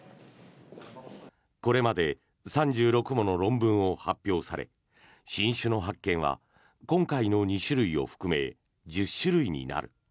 これまで３６もの論文を発表され新種の発見は今回の２種類を含め１０種類になる。